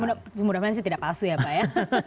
mudah mudahan sih tidak palsu ya pak ya